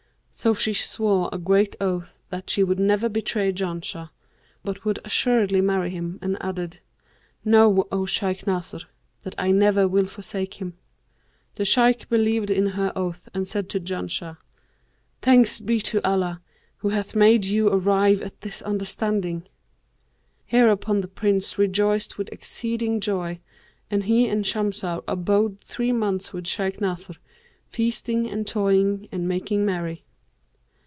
So she swore a great oath that she would never betray Janshah, but would assuredly marry him, and added, 'Know, O Shaykh Nasr, that I never will forsake him.' The Shaykh believed in her oath and said to Janshah, 'Thanks be to Allah, who hath made you arrive at this understanding!' Hereupon the Prince rejoiced with exceeding joy, and he and Shamsah abode three months with Shaykh Nasr, feasting and toying and making merry."